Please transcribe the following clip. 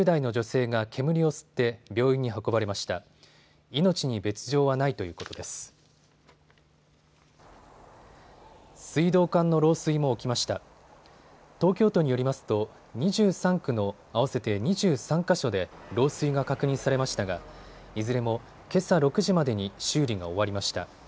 東京都によりますと２３区の合わせて２３か所で漏水が確認されましたがいずれもけさ６時までに修理が終わりました。